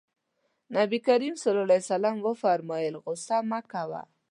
نبي کريم ص وفرمايل غوسه مه کوه.